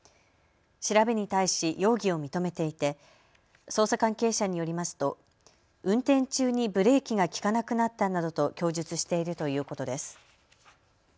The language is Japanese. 調べに対し容疑を認めていて捜査関係者によりますと運転中にブレーキが利かなくなったなどと供述しているということです。